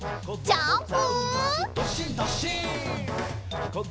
ジャンプ！